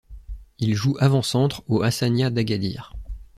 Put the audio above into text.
Il joue avant-centre au Hassania d'Agadir.